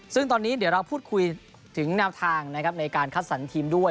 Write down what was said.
ซึ่งตอนนี้เดี๋ยวเราพูดคุยถึงแนวทางนะครับในการคัดสรรทีมด้วย